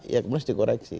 ya kemudian dikoreksi